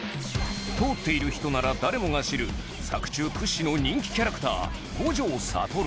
通っている人なら誰もが知る作中屈指の人気キャラクター五条悟